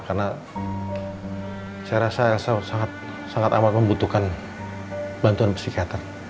karena saya rasa elsa sangat amat membutuhkan bantuan psikiater